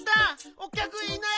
おきゃくいない！